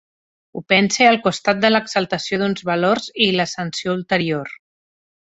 Ho pense al costat de l’exaltació d’uns valors i la sanció ulterior.